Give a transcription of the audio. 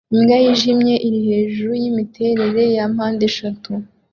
Imbwa yijimye iri hejuru yimiterere ya mpandeshatu